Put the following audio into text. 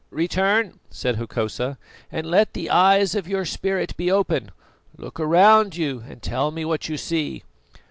"Return," said Hokosa, "and let the eyes of your spirit be open. Look around you and tell me what you see."